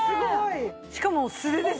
しかも素手ですよね。